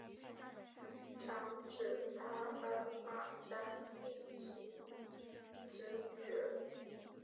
长子达尔玛咱第袭职爵。